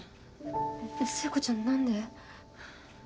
聖子ちゃん何で？